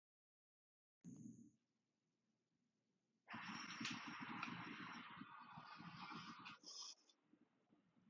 Qualification for admission